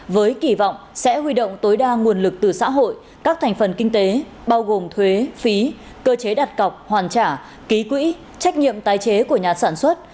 với kỳ vọng sẽ huy động tối đa nguồn lực từ xã hội các thành phần kinh tế bao gồm thuế phí cơ chế đặt cọc hoàn trả ký quỹ trách nhiệm tái chế của nhà sản xuất